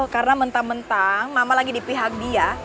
karena mentang mentang mama lagi di pihak dia